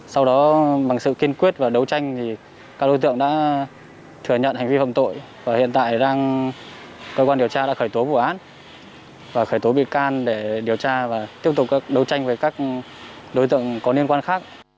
sau đó bằng sự kiên quyết và đấu tranh thì các đối tượng đã thừa nhận hành vi phạm tội và hiện tại cơ quan điều tra đã khởi tố vụ án và khởi tố bị can để điều tra và tiếp tục đấu tranh với các đối tượng có liên quan khác